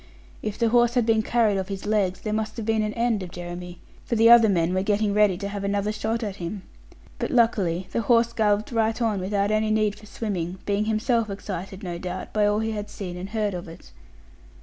If the horse had been carried off his legs, there must have been an end of Jeremy; for the other men were getting ready to have another shot at him. But luckily the horse galloped right on without any need for swimming, being himself excited, no doubt, by all he had seen and heard of it.